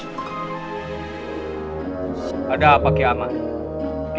kakanda kakanda bilang mereka sakti